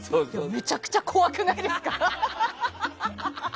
めちゃくちゃ怖くないですか？